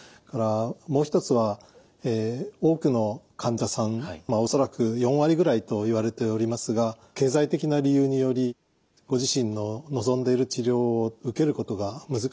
もう一つは多くの患者さん恐らく４割ぐらいといわれておりますが経済的な理由によりご自身の望んでいる治療を受けることが難しい。